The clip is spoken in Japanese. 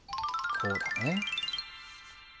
こうだね。